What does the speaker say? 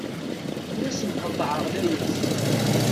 Ur asen-qeḍḍɛeɣ layas.